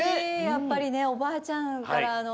やっぱりねおばあちゃんからのね